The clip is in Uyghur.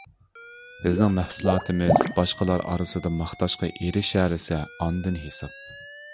بىزنىڭ مەھسۇلاتىمىز باشقىلار ئارىسىدا ماختاشقا ئېرىشەلىسە ئاندىن ھېساب.